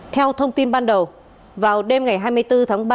theo thông tin ban đầu vào đêm ngày hai mươi bốn tháng ba